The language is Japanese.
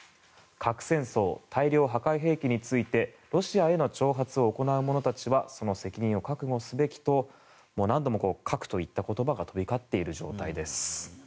核戦争、大量破壊兵器についてロシアへの挑発を行う者たちはその責任を覚悟すべきと何度も核といった言葉が飛び交っている状態です。